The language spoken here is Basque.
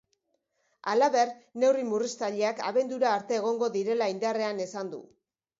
Halaber, neurri murriztaileak abendura arte egongo direla indarrean esan du.